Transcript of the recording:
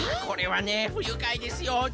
これはねふゆかいですよ。